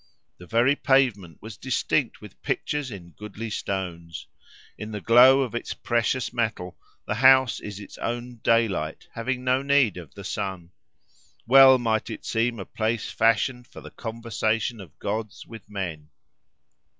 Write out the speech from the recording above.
The very pavement was distinct with pictures in goodly stones. In the glow of its precious metal the house is its own daylight, having no need of the sun. Well might it seem a place fashioned for the conversation of gods with men!